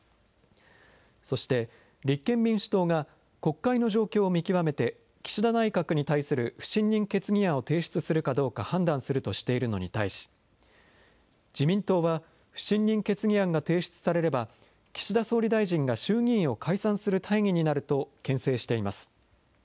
そして立憲民主党が、国会の状況を見極めて、岸田内閣に対する不信任決議案を提出するかどうか判断するとしているのに対し、自民党は不信任決議案が提出されれば、岸田総理大臣が衆議院を解散する大義になると、けん制しています。